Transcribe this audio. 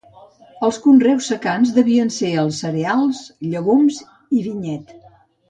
Els conreus secans devien ser els cereals, llegums i vinyet.